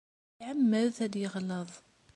Iεemmed ad yeɣleḍ.